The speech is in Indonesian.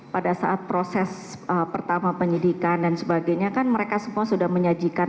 pada saat proses pertama penyidikan dan sebagainya kan mereka semua sudah menyajikan